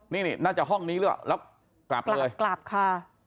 นี่นี่น่าจะห้องนี้ด้วยอ่ะแล้วกลับเลยกลับค่ะ